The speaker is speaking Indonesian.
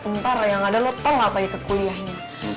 ntar yang ada lo tau gak apa apa ya ke kuliah ini